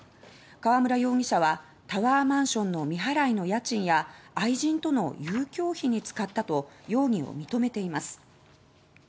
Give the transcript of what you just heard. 川村容疑者は「タワーマンションの未払いの家賃や愛人との遊興費に使った」と容疑を認めています。